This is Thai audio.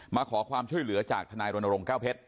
มาขอความช่วยเหลือจากทนายรณรงค์แก้วเพชร